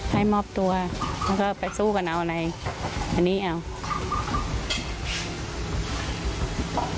ให้มอบตัวแล้วก็ไปสู้กันเอาอะไรอันนี้เอา